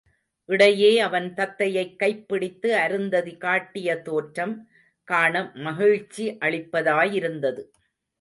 இடையே அவன் தத்தையைக் கைப் பிடித்து அருந்ததி காட்டிய தோற்றம், காண மகிழ்ச்சி அளிப்பதாய் இருந்தது.